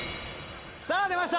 さぁ出ました！